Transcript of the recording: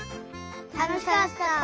たのしかった！